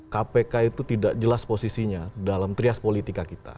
kpk itu tidak jelas posisinya dalam trias politika kita